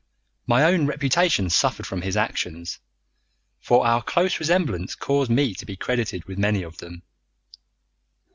My own reputation suffered from his actions, for our close resemblance caused me to be credited with many of them.